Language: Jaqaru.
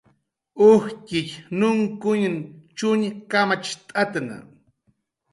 Ujtxitx nunkuñn chuñ kamacht'atna